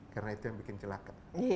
karena itu yang bikin celaka